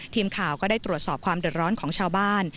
ทีมข่าวตรวจสอบวันดอดร้อนของชาวบ้าน